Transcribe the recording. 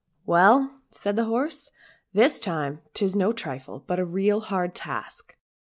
" Well," said the horse, " this time 'tis no trifle, but a real hard task.